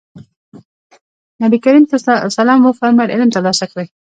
نبي کريم ص وفرمايل علم ترلاسه کړئ.